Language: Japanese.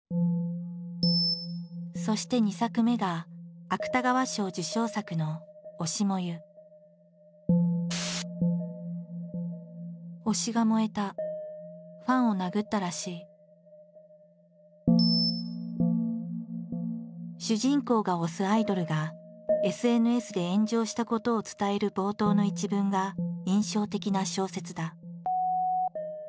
そして２作目が芥川賞受賞作の「推し、燃ゆ」。主人公が推すアイドルがＳＮＳで炎上したことを伝える冒頭の一文が印象的な小説だ。